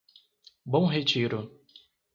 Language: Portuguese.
Bom Retiro